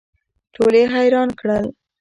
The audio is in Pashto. ټول یې حیران کړل.